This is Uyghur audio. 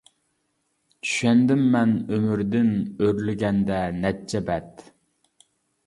چۈشەندىم مەن ئۆمۈردىن، ئۆرۈلگەندە نەچچە بەت.